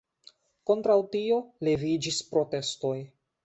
Kontraŭ tio leviĝis protestoj.